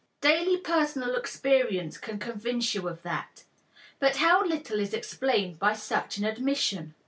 Daily personal experience can convince you of that. But how little is explained by such an admission!